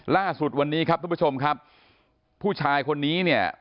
ล่าสุดวันนี้ครับทุกผู้ชมครับผู้ชายคนนี้เนี่ย